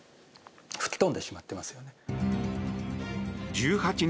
１８日